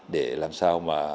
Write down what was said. để làm sao mà